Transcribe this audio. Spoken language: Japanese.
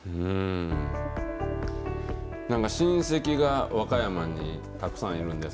なんか、親戚が和歌山にたくさんいるんです。